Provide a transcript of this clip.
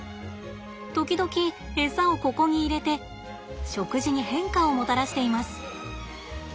時々エサをここに入れて食事に変化をもたらしています。